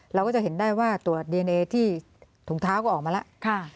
เราก็จะเห็นได้ว่าตรวจดีเอนเอที่ถุงเท้าก็ออกมาแล้ว